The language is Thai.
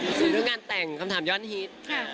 คือการงานแต่งคำถามย้อนฮีต